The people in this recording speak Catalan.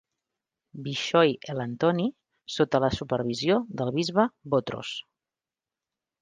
Bishoy Elantony sota la supervisió del bisbe Botros.